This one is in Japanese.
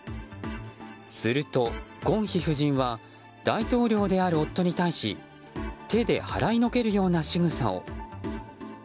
すると、ゴンヒ夫人は大統領である夫に対し手で払いのけるような仕草を。